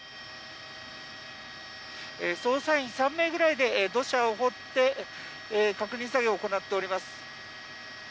捜査員３名ぐらいで土砂を掘って確認作業を行っております。